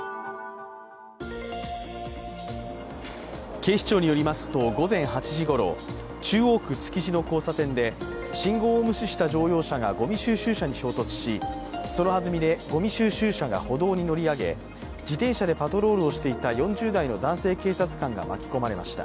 警視庁によりますと午前８時ごろ中央区築地の交差点で信号を無視した乗用車がごみ収集車に衝突しそのはずみでごみ収集車が歩道に乗り上げ、自転車でパトロールをしていた４０代の男性警察官が巻き込まれました。